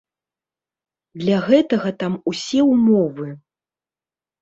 Для гэтага там усе ўмовы.